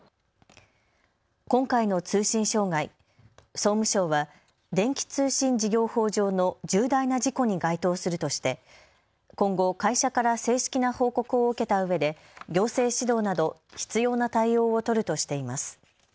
今回の通信障害、総務省は電気通信事業法上の重大な事故に該当するとして今後、会社から正式な報告を受けたうえで行政指導など必要な対応を取るとしています。